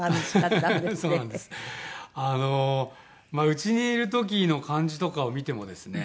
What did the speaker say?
うちにいる時の感じとかを見てもですね